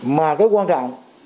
mà cái quan trọng